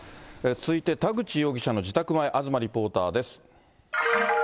続いて田口容疑者の自宅前、東リポーターです。